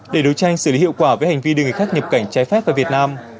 để đấu tranh xử lý hiệu quả với hành vi đưa người khác nhập cảnh trái phép vào việt nam